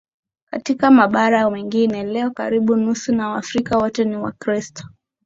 katika mabara mengine Leo karibu nusu ya Waafrika wote ni Wakristo